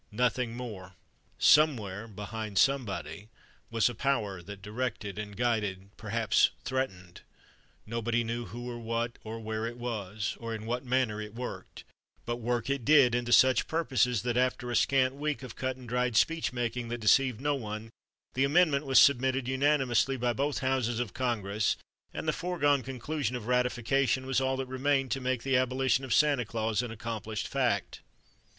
Nothing more. Somewhere, behind Somebody, was a Power that directed and guided—perhaps threatened. Nobody knew who or what or where it was or in what manner it worked, but work it did and to such purposes that, after a scant week of cut and dried speech making that deceived no one, the Amendment was submitted unanimously by both houses of Congress and the foregone conclusion of ratification was all that remained to make the abolition of Santa Claus an accomplished fact.